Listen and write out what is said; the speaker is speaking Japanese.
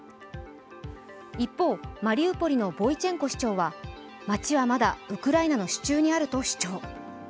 一方、マリウポリのボイチェンコ市長は街はまだウクライナの手中にあると主張。